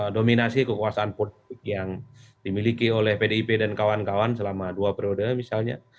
dominasi kekuasaan politik yang dimiliki oleh pdip dan kawan kawan selama dua periode misalnya